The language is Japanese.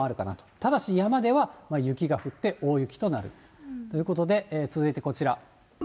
ただし山では、雪が降って大雪となるということで、続いてこちら。